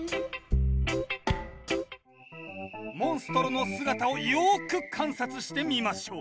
モンストロの姿をよく観察してみましょう。